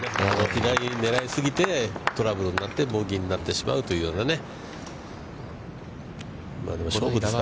左を狙い過ぎてトラブルになって、ボギーになってしまうというようなね。